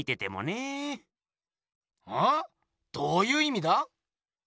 どういう意味だ？